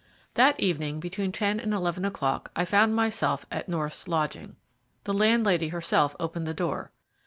That evening between ten and eleven o'clock I found myself at North's lodgings. The landlady herself opened the door.